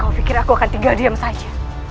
aku pikir aku akan tinggal diam saja